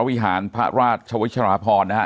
วรวิหารพระราชชะวิชารพรหรือฮะ